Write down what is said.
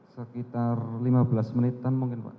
sekitar lima belas menitan mungkin pak